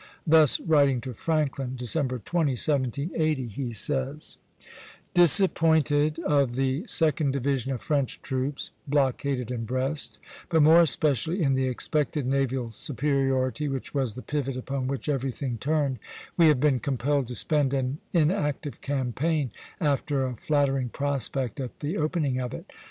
Thus, writing to Franklin, December 20, 1780, he says: "Disappointed of the second division of French troops [blockaded in Brest], but more especially in the expected naval superiority, which was the pivot upon which everything turned, we have been compelled to spend an inactive campaign after a flattering prospect at the opening of it....